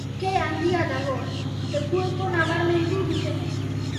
Ke handia dago, lekukoek nabarmendu dutenez.